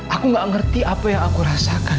aku gak ngerti apa yang aku rasakan